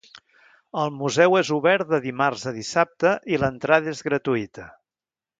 El museu és obert de dimarts a dissabte i l'entrada és gratuïta.